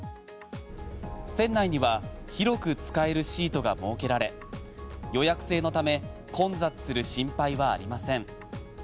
船内には広く使えるシートが設けられ予約制のため混雑する心配はありません。